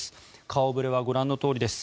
顔触れはご覧のとおりです。